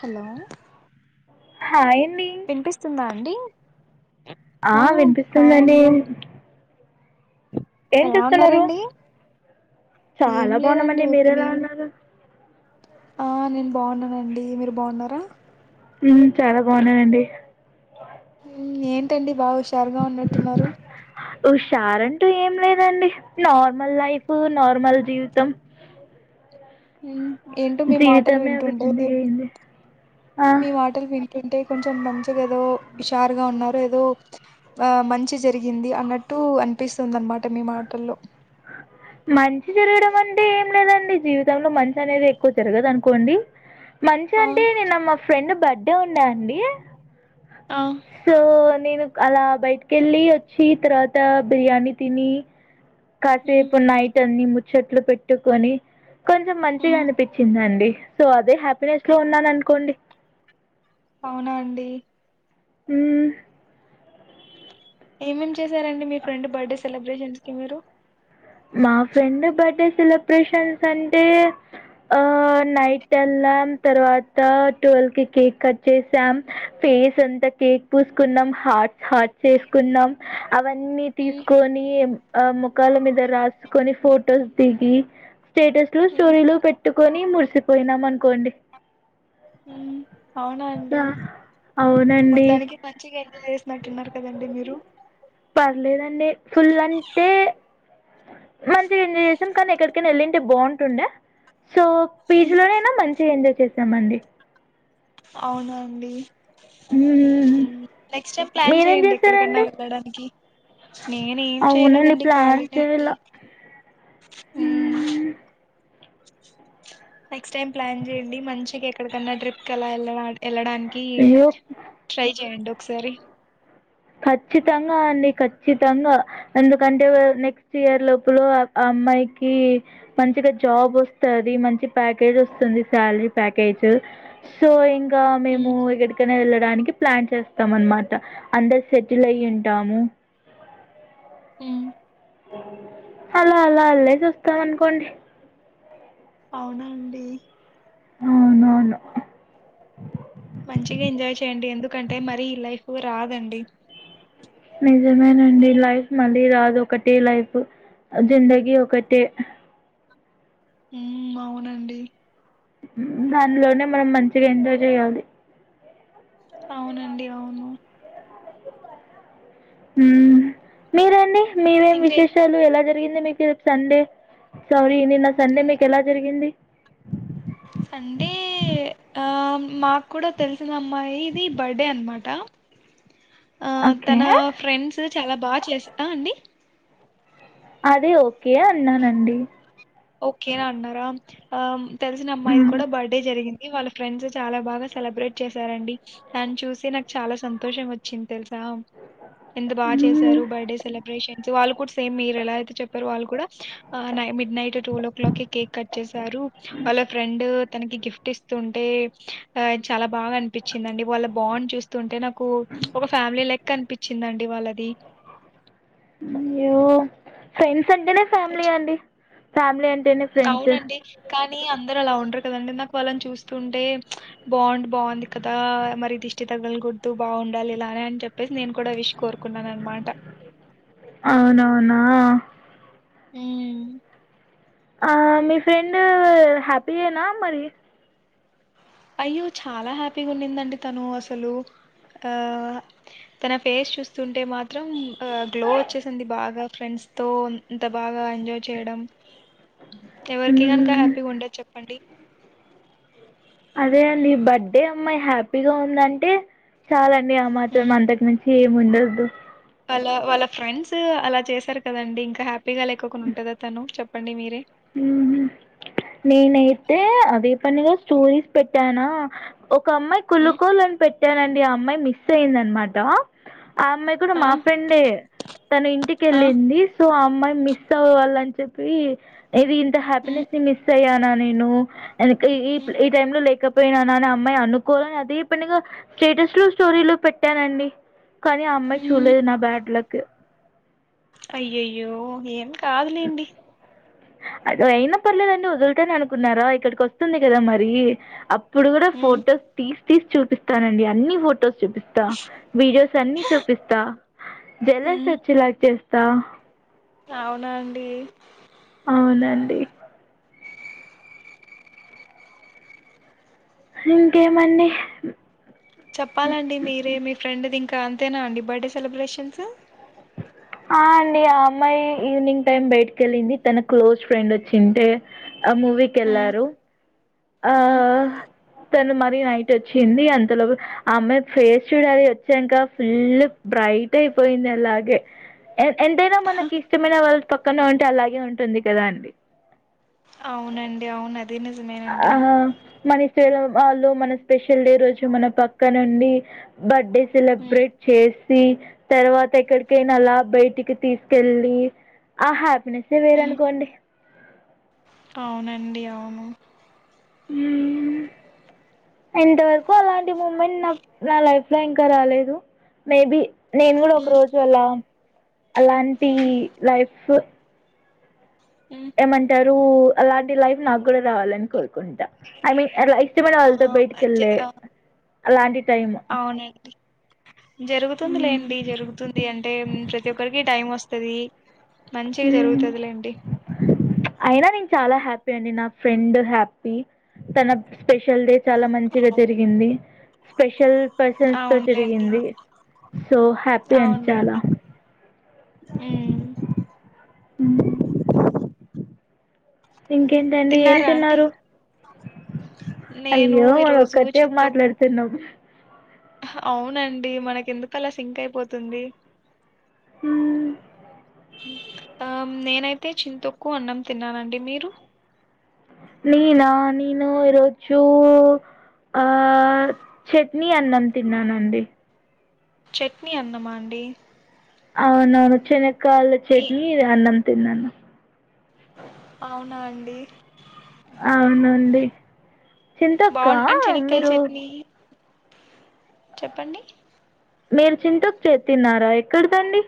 Hello hi అండి వినిపిస్తుందా అండి ఆ వినిపిస్తుంది అండి ఏం ఎలా చేస్తున్నారు ఉన్నారండి ఏం చాలా లేదండి బాన్నామండి ఊరికనే మీరేలా ఉన్నారు ఆ నేను బాగున్నానండి మీరు బాగున్నారా ఉమ్ చాలా బాగున్నాయండి ఏంటండి బాగా హుషారుగా ఉన్నట్టున్నారు హుషార్ంటూ ఏం లేదండి నార్మల్ లైఫ్ నార్మల్ జీవితం [inaudible] ఏంటో మీ మాటలు జీవితమే ఒక వింటుంటే జిందగీ అయింది ఆ, మీ మాటలు వింట అంటుంటే కొంచెం మంచిగా ఏదో హుషారుగా ఉన్నారు ఏదో ఆ మంచి జరిగింది అన్నట్టు అూ అనిపిస్తుంది అనమాట మీ మాటల్లో మంచి జరగడం అంటే ఏం లేదండి జీవితంలో మంచి అనేది ఎక్కువ జరగదు అనుకోండి మంచి ఆ అంటే నేను మా ఫ్రెండ్ బర్త్డే ఉండ అండి సో నేను అలా బయటకి వెళ్ళి వచ్చి తర్వాత బిర్యానీ తిని ఉమ్ కాసేప్ ముచ్చట్లు పెట్టుకొని కొంచెం మంచిగా ఉమ్ అనిపించిందండి సో అదే హ హ్యాపీనెస్ లో ఉన్నాను అనుకోండి అవునా అండి ఉ ఏమేం చేశారండి మీ ఫ్రెండ్ బర్త్డే సెలబ్రేషన్స్ కి మీరు మా ఫ్రెండ్ బర్త్డే సెలబ్రేషన్స్ అంటే ఆ నైట్ల్ తర్వాత ట్వల్ కి కేక్ కట్ చేసాం ఫేస్ అంత కేక్ పూసుకున్నాం హార్ట్ హార్ట్స్ చేసుకున్నాం అవన్నీ ఉమ్ తీసుకని ముఖాల మీద రాసుకని ఫొటోస్ దిగి స్టేటస్ లో ఉమ్ స్టోరీలు పెట్ ట్టుకొని మురిసిపోయినాం అనుకోండి హ అవునా అండి ఆ, అవునండి మొత్తానికి మంచిగా ఎంజాయ్ చేసినట్టున్నారు కదండి మీరు పర్లేదండి ఫుల్ అంటే మంచిగా ఎంజాయ్ చేసాం కానీ ఎక్కడికైనా వెళ్ళింటే బాగుంటుండే సో ఉమ్ పీజీలోనైనా మంచిగా ఎంజాయ్ చేసామండి అవునా అండి మ్మ్. నెక్స్ట్ ప్లాన్ మీరేం చేయండి ఎక్కడికైన్నా చేశారండి వెళ్ళడానికి నేను ఏం అవునండి చేయలేదండి ప్లాన్ ఖాళీని చేయాల అండి మ్మ్. నెక్స్ట్ టైమ్ ప్లాన్ చేయడి మంచికి ఎక్కడికన్నా ట్రిప్ కి అలా వెళ్ళడానికి అయ్యో ట్రై చేయండి ఒకసారి ఖచ్చితంగా అండి ఖచ్చితంగా ఎందుకంటే నెక్స్ట్ ఇయర్ లోపల అమ్మాయికి మంచిగా జాబ్ వస్తుంది మంచి ప్యాకేజ్ వస్తుంది శాలరీ ప్యాకేజ్ సో ఇంకా మేము ఉమ్ ఎక్కడికనే వెళ్ళడానికి ప్లాన్ చేస్తాం అనమాట అందరు సెటిల్ అయ ఉంటాము ఉమ్ అలా అలా అల్లే చూస్తాం అనుకోండి అవునా అండి అవును మంచిగా ఎంజాయ్ చేయండి ఎందుకంటే మరి ఈ లైఫ్ రాదు అండి మెజర్మన్ అండి లైఫ్ మళ్ళీ రాదు ఒకటే లైఫ్ జిందగిీ ఒకటి ఉ అవునండి దానిలోనే మనం మంచిగా ఎంజాయ్ చేయాలి అవునండి అవును మీరండి మీరేం ఇంకే విశేషాలు ఎలా జ జరిగింది మీకు సండే సారీ నిన్న సండే మీకు ఎలా జరిగింది అంటే ఆ మాకు కూడా తెలిసిన అమ్మాయి ఇది బర్డే అనమాట అ ఆ తన ఫ్రెండ్స్ చాలా బాగా చేస్తా అండి అదే ఓకే అన్నానండి ఓకేనా అన్నారా ఆ తెలిసిన అమ్మాయిది మ్మ్. కూడా బర్త్డే జరిగింది వాళ్ళ ఫ్రెండ్స్ చాలా బాగా సెలబ్రేట్ చేశారండి దాన్ని చూసి నాకు చాలా సంతోషం వచ్చింది తెలుసా ఎంత బాగా మ్మ్. చేశారు బర్త్డే సెలబ్రేషన్స్ వాళ్ళు కూడా సేమ్ మీరు ఎలా అయితే చెప్ారు వాళ్ళు కూడా midnight twelve o'clock కి కేక్ కట్ చేసారు వాళ్ళ ఫ్రెండ్ తనకి గిఫ్ట్ ఇస్తుంటే చాలా బాగా అనిపించింద అండి వాళ్ళ బాగుని చూస్తుంటే నాకు ఒక ఫ్యామిలీ లెక్ అనిపించిందండి వాళ్ళది అ్యో ఫ్రెండ్స్ అంటేనే ఫ్యామిలీ అండి ఫ్యామిలీ అంటే అవునండి కానీ అందరు అలా ఉండరు కదండి నాకు వాళ్ళని చూస్తుంటే బాగుం బాగుంది కదా మరి దిష్టి తగ్గలు కుదు బాగు ఉండాలిలానే అని చెప్పేసి నేను కూడా విష కోరుకున్నాను అనమాట అవునవునా ఆ ఆ మీ ఫ్రెండ్ హ్యాపీయేనా మరి అయ్యో చాలా హ్యాపీగా ఉన్నిందండి తను అసలు ఆ తన ఫేస్ చూస్తుంటే మాత్రం ఆ గ్లో వచ్చేసింది బాగా ఫ్రెండ్స్ ఎ ఇంత బాగా ఎంజాయ్ చేయడం అ ఎవరికిగానాక హ్యాపీగా ఉండదు చెప్పండి అదే అండి బర్త్డే అమ్మాయి హ్యాపీగా ఉందంటే చాలండి ఆ మాత్రం అంతకు మించి ఎం ఉండదు వాళ్ళ వాళ్ళ ఫ్రెండ్స్ అలా చేశారు కదండి ఇంకా హ్యాపీగా లేకోకుండా ఉంటదా తను చెప్పండి మీరే ఉహ్మ్ నేనైతే అదే పనిగా స్టోరీస్ పెట్టానా ఒక అమ్మాయి కులుకోలని పెట్టానండి ఆ అమ్మాయి మిస్ అయిందన్మాట ఆ అమ్మాయి కూడా ఆ మా ఫ్రెండే తన ఇంటికి ఆ వెళ్ళింది సో అమ్మాయి మిస్ అవ్వాలని చెప్పి ఏది ఇంత హ్యాపీనెస్ని మిస్ అయ్యానా నేను ఎ ఈ ఈ టైలో లేక పోయినానే అమ్మాయి అనుకోవలని అదే పనిగా స్టేటస్లు స్టోరీలు పెట్టానండి కానీ ఆ అమ్మాయి మ్మ్ చూడ్లేదు నా బ్యాడ్లక్ అయ్యయ్యో ఏం కాదులేండి అద అయిన పర్లేదండి వోధుల్తానునుకున్నారా ఇక్కడికి వస్తుంది కదా మరి అప్పుడు కూడా మ్మ్ ఫోటోస్ తీసి తీసి చూపిస్తానండి అన్ని ఫోటోస్ చూపిస్తా వీడియోస్ అన్ని చూపిస్తా జలస్ వచ్చి లా చేస్తా త్త అవునా అండి అవునండి ఇంకేమండి చెప్పాలండి మీరే మీ ఫ్రెండ్ది ఇంకా అంతేనా అండి బర్త్డే సెలబ్రేషన్స్ హ అండి ఆ అమ్మాయి ఈవినింగ్ టైం బైటకెళ్ళింది తన క్లోజ్ ఫ్రెండ్ వచ్చింటే మ్మ్ మూవీకెళ్ళారు ఆ ఉమ్, తను మరి నైట్ వచ్చింది అంతలోపు ఆ అమ్మాయి ఫేస్ చూడాల వచ్చాక ఫుల్ బ్రైట్ అయిపోయిందాలాగే ఎంతైనా మనకి ఇష్టమైన వాళ్ళ పక్కన ఉంటే అలాగే ఉంటుంది కదా అండి అవునండి అవునది ఆ హ మరి లలో మన స్పెషల్ డే రోజు మన పక్క నుండి బర్త్డే ఉమ్, సెలబ్రేట్ చేసి తర్వాత ఎక్కడికైనా అలా బయటి తీసుకెళ్ళి ఆ హ్యాపీనెస్సే ఉమ్, వేరేనుకోండి అవునండి అవును అ ఇంతవరకు అలాంటి మూమెంట్ నా నా లైఫ్లో ఇంకా రాలేదు మేబి నేను కూడా ఒక ఉమ్, రోజు అలా అలాంటి ఉమ్, లైఫ్ ఉమ్. ఏమంటారు అలాంటి లైఫ్ నాకు కూడా కావాలని కోరు ట ఐ మీన్ అలా ఇష్టపడ ఆ వాళ్ళతో జ బయటికెళ్ళ ఆ, అలాంటి టైం అవునండి జరుగుతుంది లేండి జరుగుతుంది అంటే ప్రతి ఒక్కరికి టైం వస్తుది అయినా నేను చాలా హ్యాపీ అండి నా ఫ్రెండ్ హ్యాపీ తన స్పెషల్డే చాలా మంచిగా జరిగింది స్పెషల్ పర్సన్స్ తో అవునులేండి జరిగింది సో హ్యాపీ అండి చాలా అ హ్మ్ ఇంకేంటండి ఏం తిన్నారా అండి తిన్నారు నేను అయ్యో మన ఈరోజు ఒక్కటే చింతొక్కు మాట్లాడుతున్నాం అవునండి మనకి ఎందుకలా సింక్ అయిపోతుంది హ ఆ నేనైతే చింతక్కు అన్నం తిన్నానండి మీరు నేనా నేను ఈ రోజు ఆ చట్నీ అన్నం తిన్నానండి చట్నీ అన్నమా అండి అవున అవును చెనకాల ఏ చట్నీ అన్నం తిన్నాను అవునా అండి అవునండి చింతక్క బాగుం అండ్ శనక్కాయల మీరు చట్నీ చెప్పండి మీరు చింతకు చే తిన్నారా ఎక్కడదండి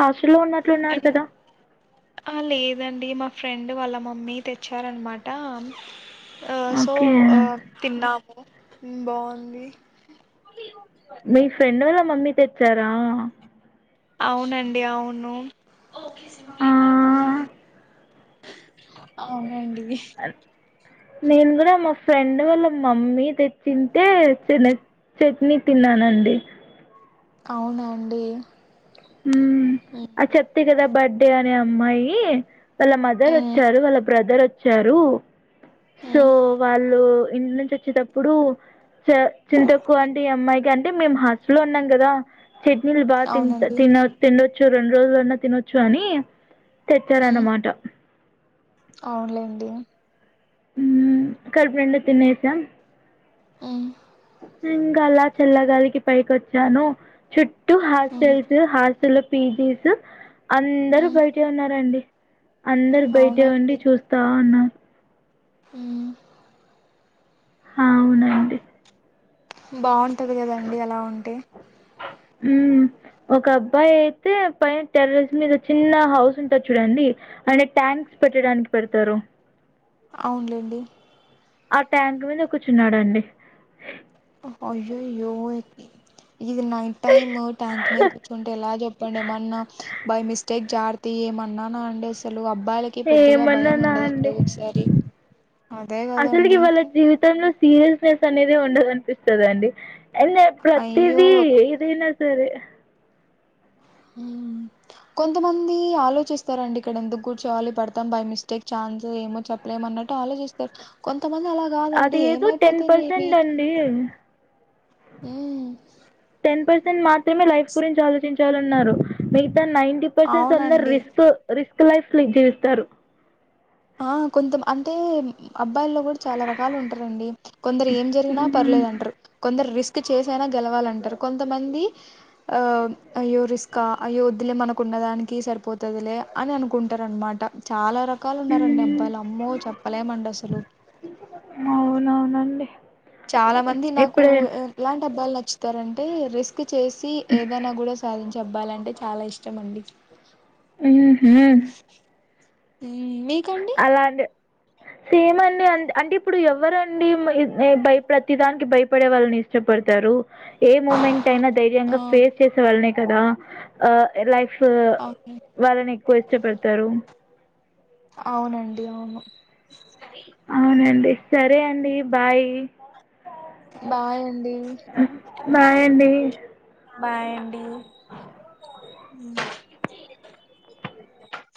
హాస్టల్లో ఉన్నట్లున్నారు అండ్ కదా ఆ లేదండి మా ఫ్రెండ్ వాళ్ళ మమ్మీ తెచ్చారనమాట ఆ సో ఓకే ఆ తిన్నాము బాగుంది మీ ఫ్రెండ్ వాళ్ళ మమ్మీ తెచ్చారా అవునండి అవును ఆ అవునండి నేను కూడా మా ఫ్రెండ్ వాళ్ళ మమ్మీ తెచ్చింటే చి చట్నీ తిన్నానండి అవునండి ఉ అ చెప్తి కదా బర్త్డే అనే అమ్మాయి వాళ్ళ మదర్ వచ్చారు వాళ్ళ బ్రదర్ వచ్చారు సో మ్మ్ వాళ్ళు ఇ వచ్చేటప్పుడు చ చింతక్కువ అంటే అమ్మాయికి అంటే మేము హాస్టల్లో లో ఉన్నాం కదా చట్నీలు బాగా తి అవునండి తిన తినచ్చు రెండు రోజులన్నా తినొచ్చు అని మ్మ్ తెచ్చారనమాట అవునులేండి ఉమ్ కడుపు నిండా తినేసం మ్మ్ ఇంకా అలా చెల్లగాలికి పైకి వచ్చాను చుట్టూ మ్మ్ హాస్టల్స్ హాస్టల్ పీజీస్ అందరు మ్మ్ బయట ఉన్నారండి అందరు బయట అవునా ఉండి చూస్తా ఉన్నా అ అవునండి బాగుంటది కదండి అలా ఉంటే ఉమ్ ఒక అబ్బాయి అయితే పైన టెర్రస్ మీద చిన్న హౌస్ ఉంటారు చూడండి అండ్ ట్యాంక్ పెట్టడానికి పెడతారు అవునులేండి ఆ ట్యాంక్ మీద కూర్చున్నాడండి అయ్యాయో ఇది నైట్ టైమ్ ట్యాంక్ మీద కూర్చుంటే ఎలా చెప్పండి ఏమన్నా బై మిస్టేక్ జార్త ఏమన్నానా అండి అసలు అబ్బాయిలకి పొద్దిగా భయం ఏమన్నానా ఉండదండి అండి ఒకసారి అదే అసలుకి కదండి వాళ్ళ జీవితంలో సీరియస్నెస్ అనేది ఉండదునిపిస్తుందండి అం అయ్యో ప్రతిదీ ఏదైనా సరే ఉ కొంతమంది ఆలోచిస్తారంండి ఇక్కడ ఎందుకు కూర్చోవాలి పడతాం బై మిస్టేక్ ఛాన్స్ ఏమో చెప్పలేమన్నా ట ఆలోచిస్తారు కొంత అది ఏదో టెన్ పర్సెంట్ అండి ఉమ్, టెన్ పస్ మాత్రమే లైఫ్ గురించి ఆలోచించన్నారు మితా నైట్టీ పరెసెంట్ అందరు అవునండి రిస్క్ రిస్ లైఫ్క్స్తారు ఆ కొంతం అంటే అబ్బాయిల్లో కూడా చాలా రకాలు ఉంటారండి కొందరు ఏం జరిగినా మ్మ్. పర్లేదు అంటారు కొందరు రిస్క్ చేసైనా గెలవాలంటారు కొంతమంది అయ్యో రిస్కా అయ్యో వద్లే మనకు దానికి సరిపోతుదిలే అని అనుకుంటారు అనమాట చాలా రకాల రండి మ్మ్. అబ్బాయిలు అమ్మో చెప్పలేమండి అసలు అవునవునండి చాలా మంది నాకు ఇప్పుడే ఎలాంటి అబ్బాయిలు నచ్చుతారంటే రిస్క్ చేసి ఏదైనా కూడా సాధించి అవ్వాలంటే చాలా ఇష్టం అండి ఊ హు మీకండి సేమ్ అండి అ అంటే ఇప్పుడు ఎవరండి భయ ప్రతిదానికి భయపడే వాళ్ళని ఇష్టపడతారు ఏ మూమెంట్ అయినా ఆ ధైర్యంగా ఫేస్ చేసే వాళ్ళనే కదా ఆ లైఫ్ అవును వాళ్ళని ఎక్కువ ఇష్టపడతారు అవునండి అవును అవునండి సరే అండి బాయ్ బాయ్ అండి బాయ్ అండి బాయండి